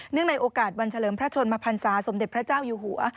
ในโอกาสวันเฉลิมพระชนมพันศาสมเด็จพระเจ้าอยู่หัว